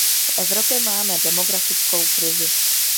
V Evropě máme demografickou krizi.